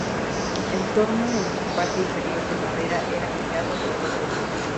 El torno en su parte inferior de madera era girado por dos personas.